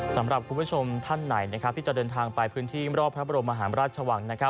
สำหรับคุณผู้ชมท่านไหนที่จะเดินทางไปพื้นที่รอบพระบรมหาราชวัง